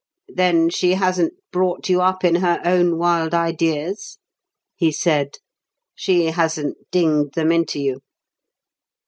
"Then she hasn't brought you up in her own wild ideas?" he said. "She hasn't dinged them into you!"